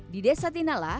di desa tinala